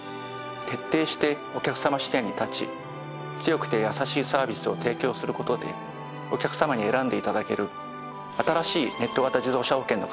徹底してお客様視点に立ち強くてやさしいサービスを提供する事でお客様に選んで頂ける新しいネット型自動車保険の形を作って参ります。